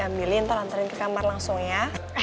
ambilin ntar antarin ke kamar langsung ya